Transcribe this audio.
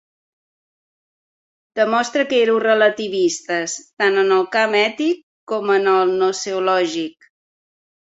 Demostre que éreu relativistes tant en el camp ètic com en el gnoseològic.